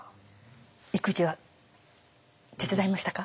育児は手伝いましたか？